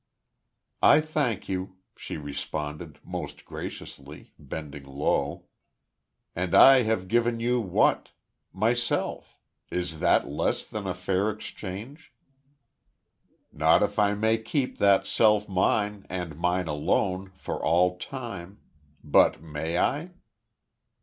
"I thank you," she responded, most graciously, bending low, "And I have given you what? Myself. Is that less than a fair exchange?" "Not if I may keep that self mine, and mine alone, for all time. But may I?"